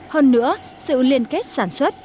hơn nữa sự liên kết sản xuất